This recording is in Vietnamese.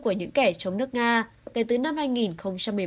của những kẻ chống nước nga kể từ năm hai nghìn một mươi bảy